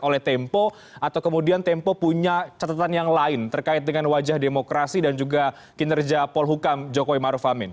oleh tempo atau kemudian tempo punya catatan yang lain terkait dengan wajah demokrasi dan juga kinerja polhukam jokowi maruf amin